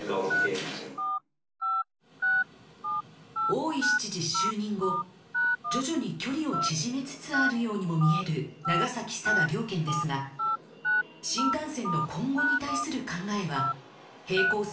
大石知事就任後徐々に距離を縮めつつあるようにも見える長崎佐賀両県ですが新幹線の今後に対する考えは平行線をたどったままです